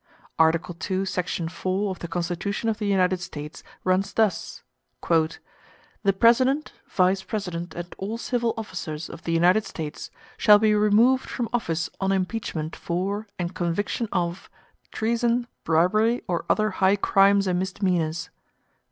Article II., Section 4, of the Constitution of the United States runs thus:—"The President, Vice President, and all civil officers of the United States shall be removed from office on impeachment for, and conviction of, treason, bribery, or other high crimes and misdemeanors."